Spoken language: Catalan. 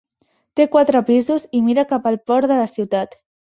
Té quatre pisos i mira cap al port de la ciutat.